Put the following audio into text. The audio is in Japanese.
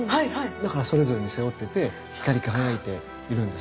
だからそれぞれに背負ってて光り輝いているんですね。